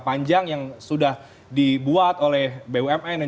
panjang yang sudah dibuat oleh bumn